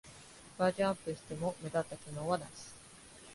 バージョンアップしても目立った機能はなし